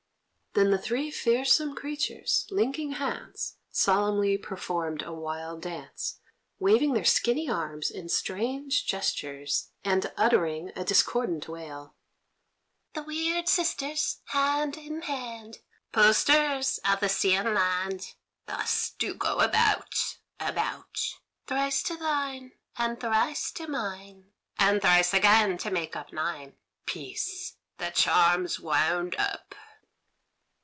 Then the three fearsome creatures, linking hands, solemnly performed a wild dance, waving their skinny arms in strange gestures, and uttering a discordant wail: "The weird sisters, hand in hand, Posters of the sea and land, Thus do go about, about; Thrice to thine, and thrice to mine, And thrice again to make up nine. Peace! The charm's wound up."